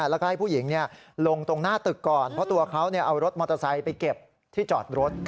แล้วก็ให้ผู้หญิงลงตรงหน้าตึกก่อนเพราะตัวเขาเอารถมอเตอร์ไซค์ไปเก็บที่จอดรถ